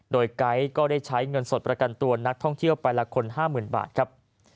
โดยไก๊ก็ได้ใช้เงินสดประกันตัวนักท่องเที่ยวไปละคน๕๐๐๐บาทครับ